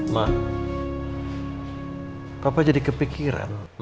langsung dlm sekitarnya